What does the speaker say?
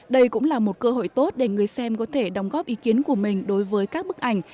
đây cũng là một cơ hội tốt để người xem có thể đóng góp ý kiến của mình đối với các bức ảnh